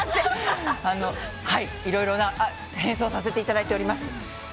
いろいろな変装をさせていただいております。